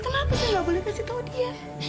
kenapa saya gak boleh kasih tahu dia